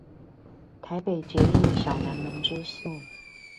台北捷運小南門支線